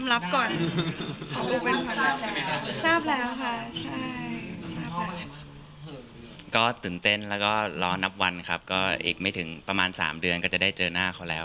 ก็ตื่นเต้นแล้วก็รอนับวันครับก็อีกไม่ถึงประมาณ๓เดือนก็จะได้เจอหน้าเขาแล้ว